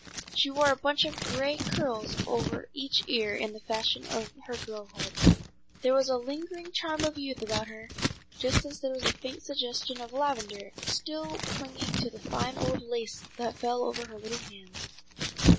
She wore a bunch of gray curls over each ear in the fashion of her girlhood. There was a lingering charm of youth about her, just as there was a faint suggestion of lavender still clinging to the fine old lace that fell over her little hands.